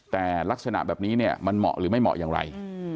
แต่ลักษณะแบบนี้เนี่ยมันเหมาะหรือไม่เหมาะอย่างไร